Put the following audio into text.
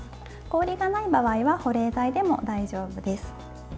氷がない場合は保冷剤でも大丈夫です。